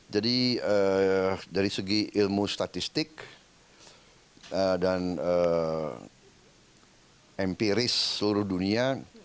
jadi dari segi ilmu statistik dan empiris seluruh dunia